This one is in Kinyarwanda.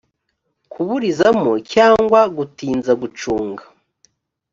kuburizamo cyangwa gutinza gucunga